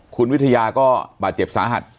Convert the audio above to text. คุณวิทยาก็บาดเจ็บสาหัส